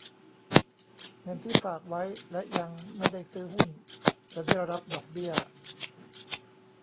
เงินที่ฝากไว้และยังไม่ได้ซื้อหุ้นจะได้รับดอกเบี้ย